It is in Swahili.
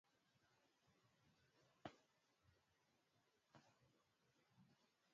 pro Kituruki la asili yao Msimamo huo huo